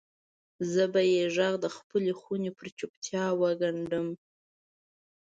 زه به یې ږغ دخپلې خونې پر چوپتیا وګنډم